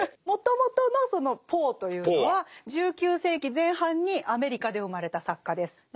もともとのそのポーというのは１９世紀前半にアメリカで生まれた作家です。